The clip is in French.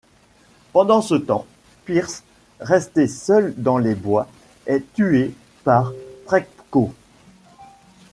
Pendant ce temps, Pierce, resté seul dans les bois, est tué par Trepkos.